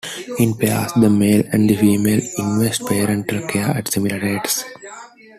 In pairs, the male and the female invest parental care at similar rates.